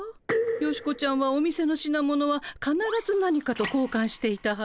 ヨシコちゃんはお店の品物はかならず何かと交換していたはず。